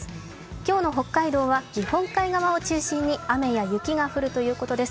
今日の北海道は日本海側を中心に雨や雪が降るということです。